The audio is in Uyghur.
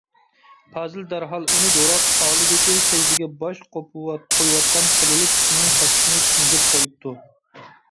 پازىل دەرھال ئۇنى دوراپ، ئالدىدىكى سەجدىگە باش قويۇۋاتقان سەللىلىك كىشىنىڭ كاسىسىنى چىمدىپ قويۇپتۇ.